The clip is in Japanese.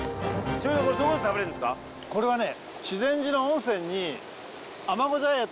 これはね。